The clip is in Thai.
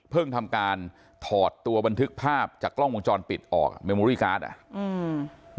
ทำการถอดตัวบันทึกภาพจากกล้องวงจรปิดออกอ่ะเมโมรี่การ์ดอ่ะอืม